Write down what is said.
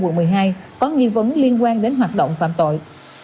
quận một mươi hai có nghi vấn liên quan đến hoạt động phạm tội